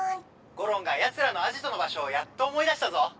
ゴロンがやつらのアジトの場所をやっと思い出したぞ！